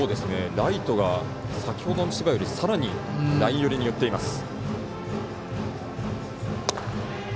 ライトが先ほどの守備よりもさらにライン寄りに寄っています。